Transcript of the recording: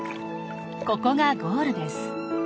ここがゴールです。